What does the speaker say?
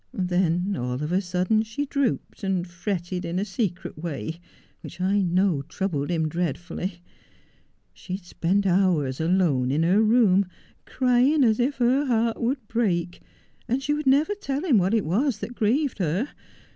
Then all of a sudden she drooped, and fretted in a secret way which I know troubled him dreadfully. She would spend hours alone in her room, crying as if her heart would break, and she would never tell him what it was that grieved her.